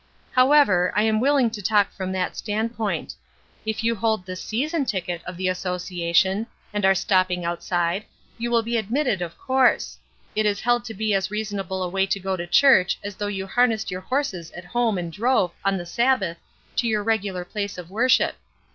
However, I am willing to talk from that standpoint. If you hold the season ticket of the Association, and are stopping outside, you will be admitted, of course. It is held to be as reasonable a way to go to church as though you harnessed your horses at home and drove, on the Sabbath, to your regular place of worship.